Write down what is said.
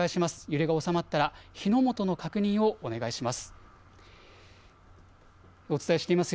揺れが収まったら火の元の確認をお願いします。